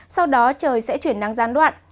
sau đó trời sẽ chuyển nắng gian đoạn